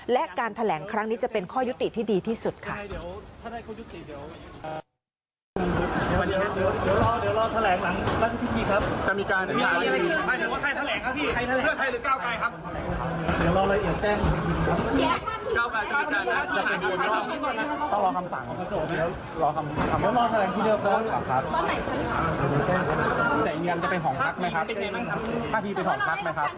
และการแถลงครั้งนี้จะเป็นข้อยุติที่ดีที่สุดค่ะ